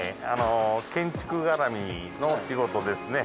建築絡みの仕事ですね。